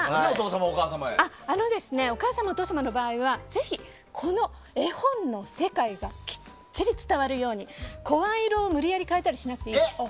お母様、お父様の場合はぜひ絵本の世界がきっちり伝わるように声色を無理やり変えたりしなくていいです。